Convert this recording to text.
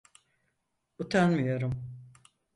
Utanmıyorum.